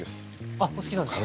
あっお好きなんですか。